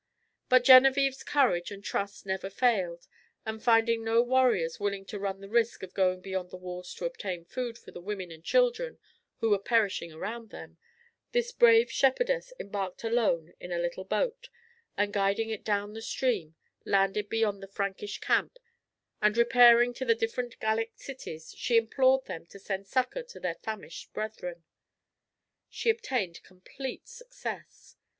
But Genevičve's courage and trust never failed; and finding no warriors willing to run the risk of going beyond the walls to obtain food for the women and children who were perishing around them, this brave shepherdess embarked alone in a little boat, and guiding it down the stream, landed beyond the Frankish camp, and repairing to the different Gallic cities, she implored them to send succor to their famished brethren. She obtained complete success.